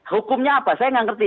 hukumnya apa saya nggak ngerti